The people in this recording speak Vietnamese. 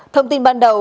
thông tin ban đầu